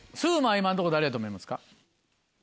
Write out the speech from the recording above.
今のところ誰やと思いますか？